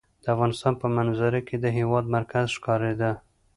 د افغانستان په منظره کې د هېواد مرکز ښکاره ده.